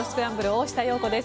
大下容子です。